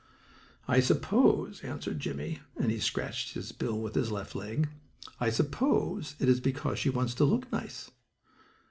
"I suppose," answered Jimmie, and he scratched his bill with his left leg, "I suppose it is because she wants to look nice."